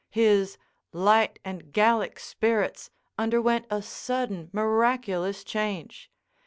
His light and Gallic spirits underwent a sudden, miraculous change.